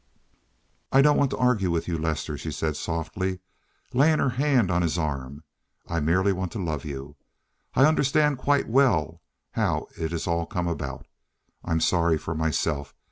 "I don't want to argue with you, Lester," she said softly, laying her hand on his arm. "I merely want to love you. I understand quite well how it has all come about. I'm sorry for myself.